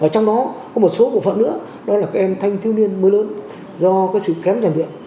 trong đó có một số phần nữa đó là các em thanh thiếu niên mới lớn do cái sự khém tràn thiện